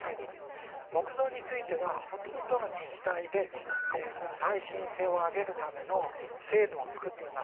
木造についてはほとんどの自治体でこの耐震性を上げるための制度を作っています。